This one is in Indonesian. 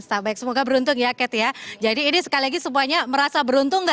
jadi ini sekali lagi semuanya merasa beruntung ya cat ya jadi ini sekali lagi semuanya merasa beruntung ya cat ya